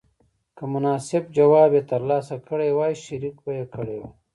که مناسب ځواب یې تر لاسه کړی وای شریک به یې کړی وای.